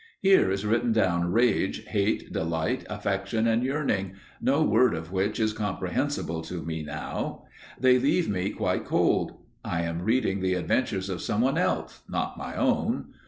Here is written down rage, hate, delight, affection and yearning, no word of which is comprehensible to me now; they leave me quite cold. I am reading the adventures of some one else, not my own.